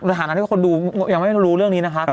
ฐานะที่คนดูยังไม่รู้เรื่องนี้นะคะ